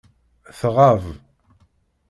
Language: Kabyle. Tɣab.